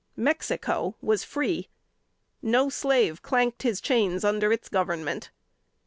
Mexico was free! No slave clanked his chains under its government.